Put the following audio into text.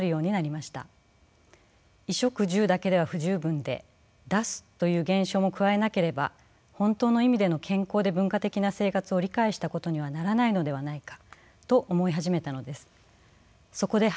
衣食住だけでは不十分で出すという現象も加えなければ本当の意味での健康で文化的な生活を理解したことにはならないのではないかと思い始めたのです。